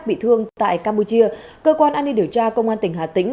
bị thương tại campuchia cơ quan an ninh điều tra công an tỉnh hà tĩnh